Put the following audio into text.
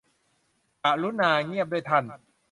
กรุณาเงียบด้วยท่าน